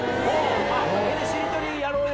絵でしりとりやろうよ！